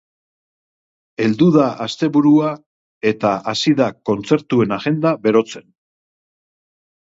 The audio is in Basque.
Heldu da asteburua eta hasi da kontzertuen agenda berotzen.